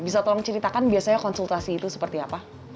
bisa tolong ceritakan biasanya konsultasi itu seperti apa